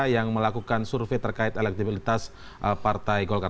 yang melakukan survei terkait elektibilitas partai golkar